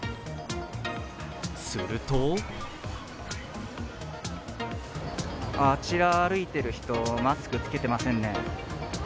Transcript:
するとあちら歩いてる人、マスク着けてませんね。